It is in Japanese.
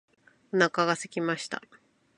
お腹が空きました。